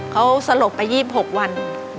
เขาสลบไป๒๖วัน